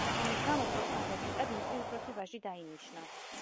ამის გამო ქვეყნის რეგენტად მისი უფროსი ვაჟი დაინიშნა.